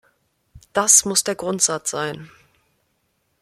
Das muss der Grundsatz sein!